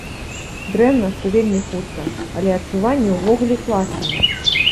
Дрэнна, што вельмі хутка, але адчуванні ўвогуле класныя.